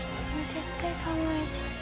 絶対寒い。